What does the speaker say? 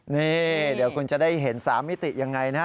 นี่เดี๋ยวคุณจะได้เห็นสามมิติอย่างไรนะ